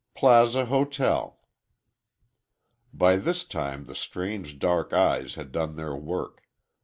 "Plaza Hotel." By this time the strange dark eyes had done their work.